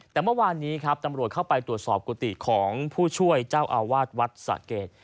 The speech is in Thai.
แต่เมื่อวานนี้ครับตำรวจเข้าไปตรวจสอบกุฏิของผู้ช่วยเจ้าอาวาสวัดสะเกด